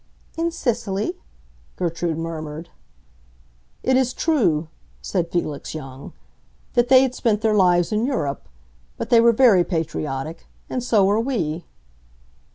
"In Sicily?" Gertrude murmured. "It is true," said Felix Young, "that they had spent their lives in Europe. But they were very patriotic. And so are we."